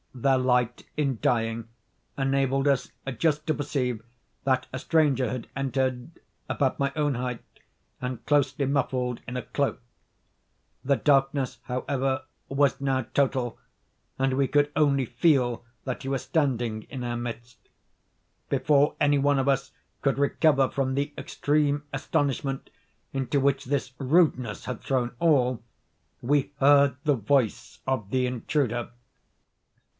Their light, in dying, enabled us just to perceive that a stranger had entered, about my own height, and closely muffled in a cloak. The darkness, however, was now total; and we could only feel that he was standing in our midst. Before any one of us could recover from the extreme astonishment into which this rudeness had thrown all, we heard the voice of the intruder.